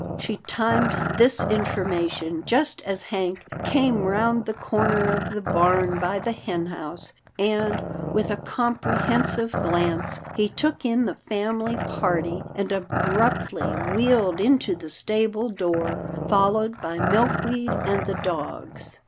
She timed this information just as Hank came round the corner of the barn by the hen house, and, with a comprehensive glance, he took in the family party, and abruptly wheeled into the stable door, followed by Milkweed and the dogs.